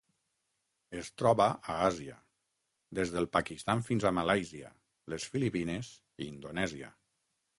Es troba a Àsia: des del Pakistan fins a Malàisia, les Filipines i Indonèsia.